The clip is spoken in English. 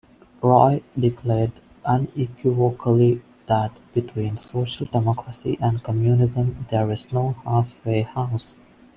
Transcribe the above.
Roy, declared unequivocally that between Social Democracy and Communism there is no half-way house.